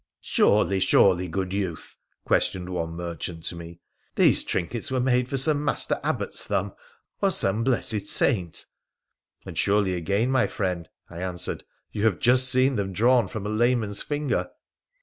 ' Surely ! surely ! good youth,' questioned one merchant to me, ' these trinkets were made for some master Abbot's thumb, or some blessed saint.' 'And surely again, my friend,' I answered, 'you have just seen them drawn from a layman's finger.'